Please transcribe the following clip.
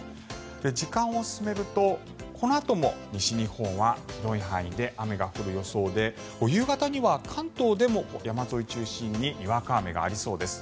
時間を進めるとこのあとも西日本は広い範囲で雨が降る予想で夕方には関東でも山沿い中心ににわか雨がありそうです。